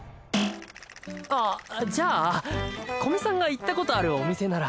あっじゃあ古見さんが行ったことあるお店なら。